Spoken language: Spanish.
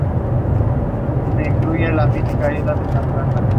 No es un título hereditario.